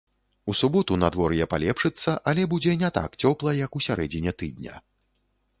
У суботу надвор'е палепшыцца але будзе не так цёпла, як у сярэдзіне тыдня.